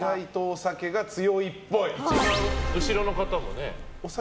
一番後ろの方もね。